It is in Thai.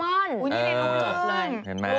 อุ๊ยเล่นต้องจบเลยเออเห็นไหม